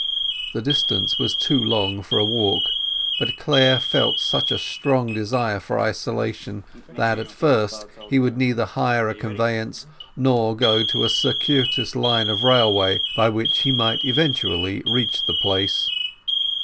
The distance was too long for a walk, but Clare felt such a strong desire for isolation that at first he would neither hire a conveyance nor go to a circuitous line of railway by which he might eventually reach the place.